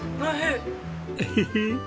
エヘヘッ。